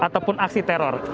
ataupun aksi teror